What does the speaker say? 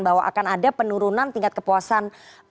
bahwa akan ada penurunan tingkat kepuasan